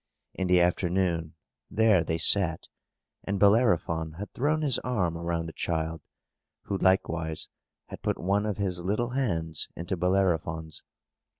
In the afternoon, there they sat, and Bellerophon had thrown his arm around the child, who likewise had put one of his little hands into Bellerophon's.